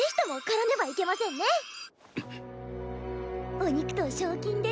お肉と賞金出て。